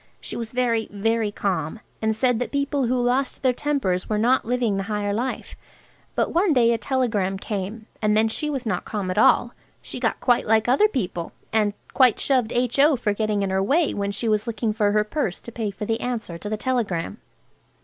She was very, very calm, and said that people who lost their tempers were not living the higher life. But one day a telegram came, and then she was not calm at all. She got quite like other people, and quite shoved H.O. for getting in her way when she was looking for her purse to pay for the answer to the telegram.